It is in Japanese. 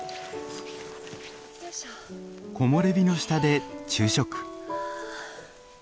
木漏れ日の下で昼食。